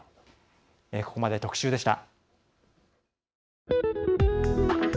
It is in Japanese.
ここまで特集でした。